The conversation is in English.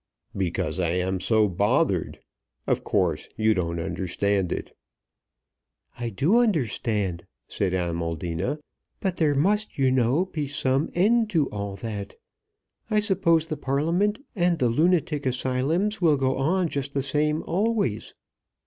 "Because I am so bothered. Of course, you don't understand it." "I do understand," said Amaldina; "but there must, you know, be some end to all that. I suppose the Parliament and the Lunatic Asylums will go on just the same always."